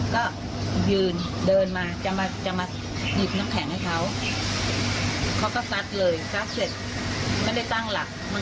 ก็เลยลงวาดไป๒ทีตรงนี้กับตรงแม่